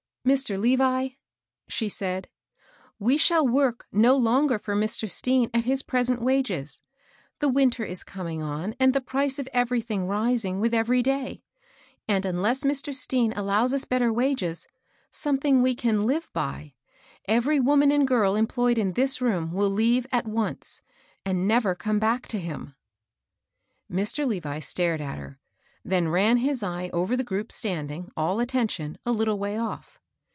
"Mr. Levi," she said, "we shall work no longer for Mr. Stean at his present wages. The winter is coming on and the price of everything rising with every day ; and, unless Mr. Stean allows us better wages,, — something we can live hy^ — every woman and girl employed in this room will leave at once, and never come back to him." Mr. Levi stared at her. then ran his eye over the group standing, all attention, a little way off.